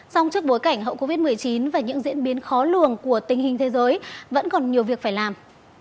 song trước bối cảnh hậu covid một mươi chín và những diễn biến khó lường của tình hình thế giới vẫn còn nhiều việc phải làm